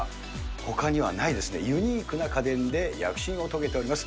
ほかにはないですね、ユニークな家電で躍進を遂げております。